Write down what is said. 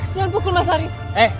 jangan pukul mas haris